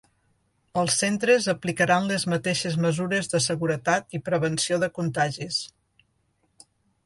Els centres aplicaran les mateixes mesures de seguretat i prevenció de contagis.